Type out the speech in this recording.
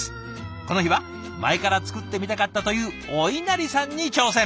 この日は前から作ってみたかったというおいなりさんに挑戦！